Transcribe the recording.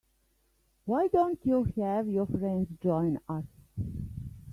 Why don't you have your friends join us?